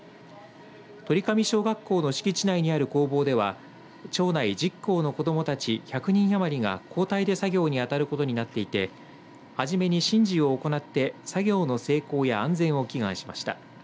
鳥上小学校の敷地内にある工房では町内１０校の子どもたち１００人余りが交代で作業に当たることになっていてはじめに神事を行って作業の成功や安全を祈願しました。